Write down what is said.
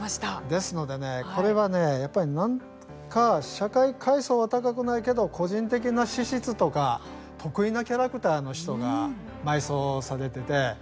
ですのでね、これはなんか、社会階層は高くないけど個人的な資質とか特異なキャラクターの人が埋葬されててただ者ではないとは思いますね。